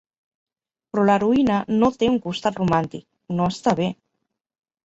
Però l'heroïna no té un costat romàntic, no està bé.